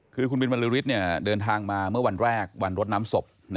คือคุณบินบรรลือฤทธิ์เดินทางมาเมื่อวันแรกวันรดน้ำศพ